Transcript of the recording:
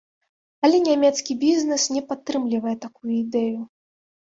Але нямецкі бізнес не падтрымлівае такую ідэю.